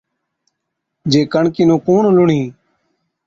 جي ڪڻڪِي نُون ڪُوڻ لُڻهِي؟